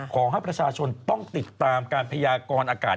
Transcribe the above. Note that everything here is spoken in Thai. ขอให้ประชาชนต้องติดตามการพยากรอากาศ